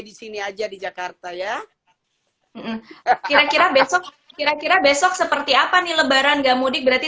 di sini aja di jakarta ya kira kira besok kira kira besok seperti apa nih lebaran gak mudik berarti